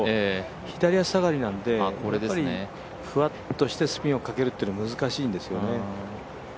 左足下がりなんでやっぱりふわっとしてスピンをかけるっていうのは難しいんですよね。